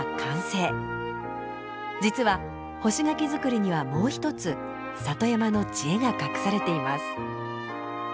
実は干し柿作りにはもう一つ里山の知恵が隠されています。